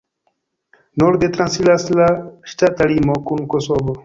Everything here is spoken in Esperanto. Norde transiras la ŝtata limo kun Kosovo.